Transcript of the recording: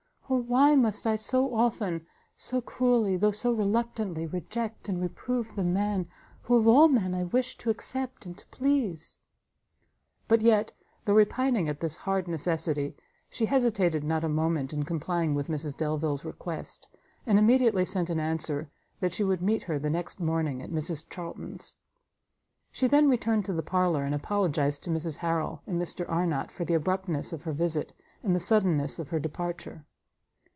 Oh why must I so often, so cruelly, though so reluctantly, reject and reprove the man who of all men I wish to accept and to please!" But yet, though repining at this hard necessity, she hesitated not a moment in complying with Mrs Delvile's request, and immediately sent an answer that she would meet her the next morning at Mrs Charlton's. She then returned to the parlour, and apologized to Mrs Harrel and Mr Arnott for the abruptness of her visit, and the suddenness of her departure.